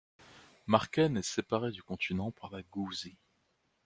Marken est séparé du continent par la Gouwzee.